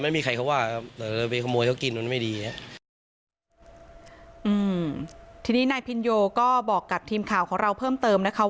ไม่มีใครเขาว่าไปขโมยเขากินมันไม่ดีอืมทีนี้นายพินโยก็บอกกับทีมข่าวของเราเพิ่มเติมนะคะ